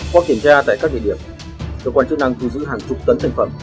qua kiểm tra tại các địa điểm cơ quan chức năng thu giữ hàng chục tấn thành phẩm